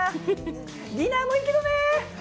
ディナーもいいけどね。